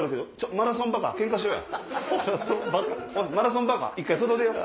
マラソンバカ一回外出よう。